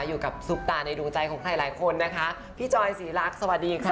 อยู่กับสุบตาในดูงใจคนไรคนนะคะพี่จอยซีเรียรักสวัสดีค่ะ